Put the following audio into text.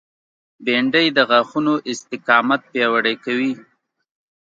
بېنډۍ د غاښونو استقامت پیاوړی کوي